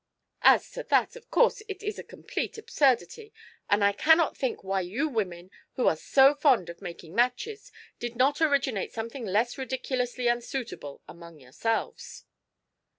"As to that, of course it is a complete absurdity, and I cannot think why you women, who are so fond of making matches, did not originate something less ridiculously unsuitable among yourselves."